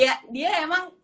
ya dia emang